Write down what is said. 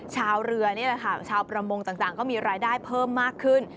ชาวเรือนี่แหละค่ะชาวประมงต่างก็มีรายได้เพิ่มมากขึ้น